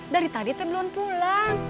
dari tadi belum pulang